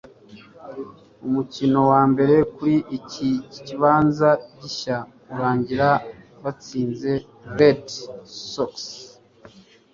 umukino wambere kuri iki kibanza gishya urangira batsinze Red Sox